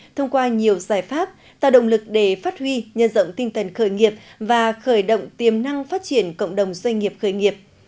thông qua nhiều giải pháp tạo động lực để phát huy nhân rộng tinh thần khởi nghiệp và khởi động tiềm năng phát triển cộng đồng doanh nghiệp khởi nghiệp